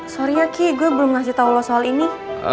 sorry ya ki gue belum ngasih tau lo soal ini